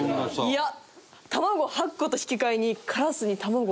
いや。